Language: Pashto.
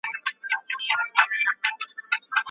ښوونځی د زدهکوونکو ترمنځ همږغي رامنځته کوي.